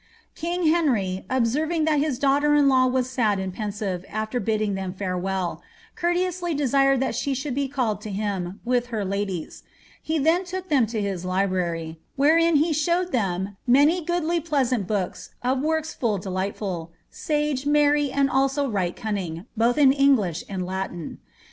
King Henry, observing that his daughter in law was sad and pensive afWr bidding them farewell, courteously desired that she should be called to him, with her ladies ; he then took them to his library, wherein he ^ showed them many goodly pleasant books of works full delightful, sage, merry, and also right cunning, botb in English and Latin.